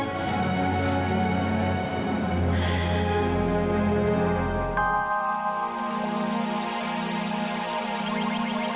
karir untuk kamu